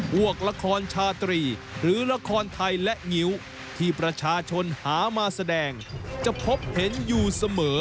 วกละครชาตรีหรือละครไทยและงิ้วที่ประชาชนหามาแสดงจะพบเห็นอยู่เสมอ